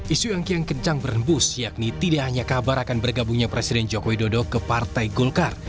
isu yang kian kencang berhembus yakni tidak hanya kabar akan bergabungnya presiden joko widodo ke partai golkar